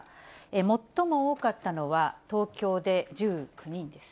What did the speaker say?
最も多かったのは東京で１９人です。